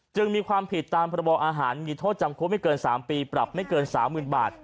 จึงมีความผิดตามพระบออาหารมีโทษจำคุกไม่เกิน๓ปีปรับไม่เกิน๓๐๐๐บาท